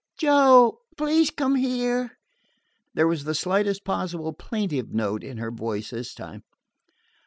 "Joe please come here." There was the slightest possible plaintive note in her voice this time.